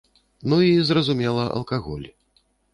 Ну і, зразумела, алкаголь.